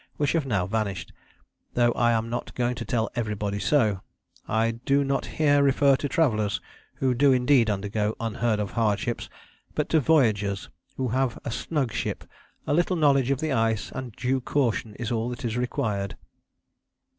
which have now vanished, though I am not going to tell everybody so; I do not here refer to travellers, who do indeed undergo unheard of hardships, but to voyagers who have a snug ship, a little knowledge of the Ice, and due caution is all that is required."